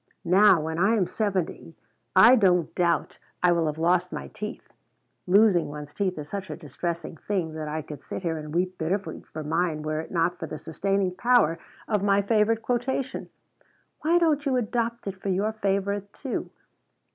Now when I am seventy, I don't doubt I will have lost my teeth. Losing one's teeth is such a distressing thing that I could sit here and weep bitterly for mine were it not for the sustaining power of my favorite quotation. Why don't you adopt it for your favorite, too?